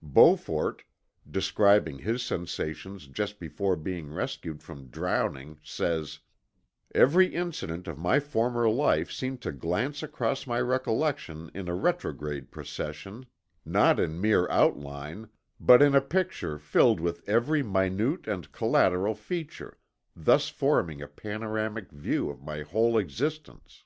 Beaufort, describing his sensations just before being rescued from drowning says: "Every incident of my former life seemed to glance across my recollection in a retrograde procession, not in mere outline, but in a picture filled with every minute and collateral feature, thus forming a panoramic view of my whole existence."